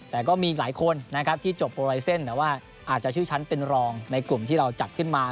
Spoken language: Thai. แต่ก็มีหลายคนนะครับที่จบโปรไลเซ็นต์แต่ว่าอาจจะชื่อฉันเป็นรองในกลุ่มที่เราจัดขึ้นมา